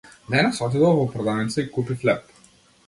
Денес отидов во продавница и купив леб.